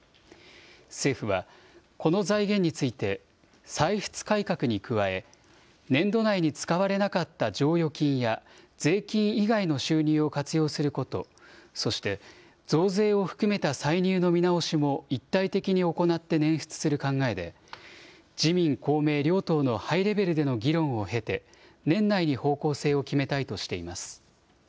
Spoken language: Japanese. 政府はこの財源について歳出改革に加え、年度内に使われなかった剰余金や、税金以外の収入を活用すること、そして増税を含めた歳入の見直しも一体的に行って捻出する考えで、自民、公明両党のハイレベルでの議論を経て、年内に方向性を決めたいとしています。